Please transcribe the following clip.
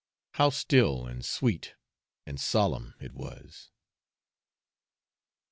How still, and sweet, and solemn, it was!